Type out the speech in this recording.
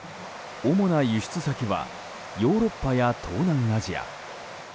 主な輸出先はヨーロッパや東南アジア。